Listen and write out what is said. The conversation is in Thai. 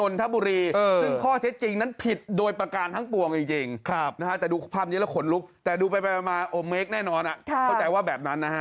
ลบซ้าลบซ้า